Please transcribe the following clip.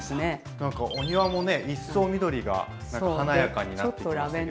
なんかお庭もね一層緑が華やかになってきましたけど。